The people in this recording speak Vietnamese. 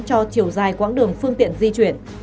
cho chiều dài quãng đường phương tiện di chuyển